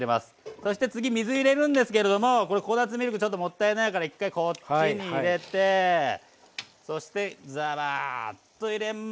そして次水入れるんですけれどもこれココナツミルクちょっともったいないから１回こっちに入れてそしてザバーッと入れますと。